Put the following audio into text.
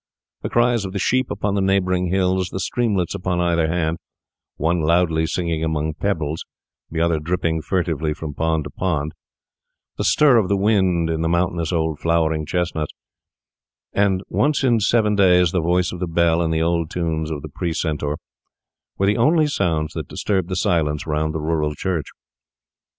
The cries of the sheep upon the neighbouring hills, the streamlets upon either hand, one loudly singing among pebbles, the other dripping furtively from pond to pond, the stir of the wind in mountainous old flowering chestnuts, and once in seven days the voice of the bell and the old tunes of the precentor, were the only sounds that disturbed the silence around the rural church.